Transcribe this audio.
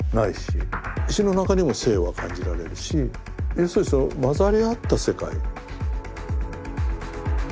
要するにその混ざり合った世界。